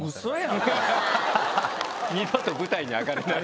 二度と舞台に上がれない。